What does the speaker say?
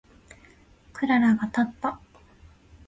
クララがたった。